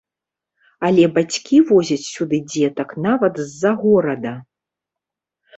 Але бацькі возяць сюды дзетак нават з-за горада.